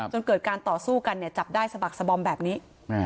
จนเกิดการต่อสู้กันจับได้สะบักสบอมแบบนี้